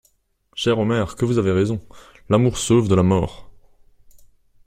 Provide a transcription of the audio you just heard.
Cher Omer, que vous avez raison: l'amour sauve de la mort!